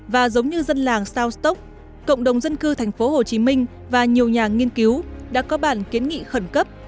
và giống như dân làng southstock cộng đồng dân cư thành phố hồ chí minh và nhiều nhà nghiên cứu đã có bản kiến nghị khẩn cấp